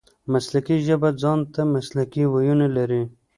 مسلکي ژبه ځان ته مسلکي وییونه لري.